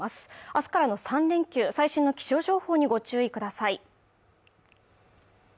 明日からの３連休最新の気象情報にご注意ください